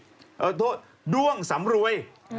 โทษด้วงสำรวย